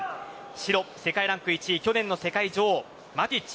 白、世界ランク１位去年の世界女王マティッチ。